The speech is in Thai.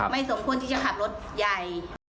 สมควรที่จะขับรถใหญ่